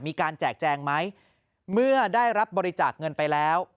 แจกแจงไหมเมื่อได้รับบริจาคเงินไปแล้ว